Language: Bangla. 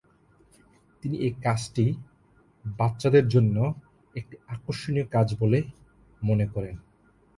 তিনি এই কাজটিকে বাচ্চাদের জন্য একটি আকর্ষণীয় কাজ বলে মনে করেন।